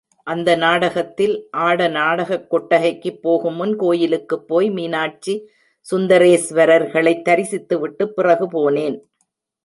அந் நாடகத்தில் ஆட நாடகக் கொட்டகைக்குப் போகுமுன், கோயிலுக்குப் போய் மீனாட்சி சுந்தரேஸ்வரர்களைத் தரிசித்துவிட்டுப் பிறகு போனேன்.